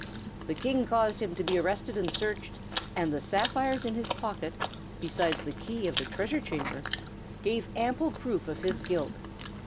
The King caused him to be arrested and searched, and the sapphires in his pocket, besides the key of the treasure chamber, gave amble proof of his guilt.